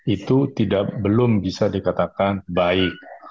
itu belum bisa dikatakan baik